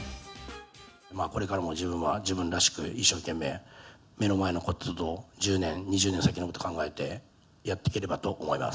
これからも自分は自分らしく一生懸命、目の前のことと、１０年、２０年先のことを考えてやってければと思います。